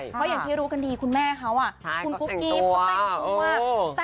เพราะอย่างที่รู้กันดีคุณแม่เขาคุณกุ๊กกิ๊บเขาแต่งตัวมาก